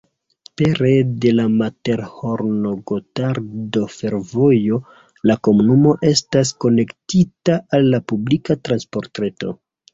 Pere de la Materhorno-Gotardo-Fervojo la komunumo estas konektita al la publika transportreto.